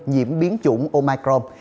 nhiễm biến chủng omicron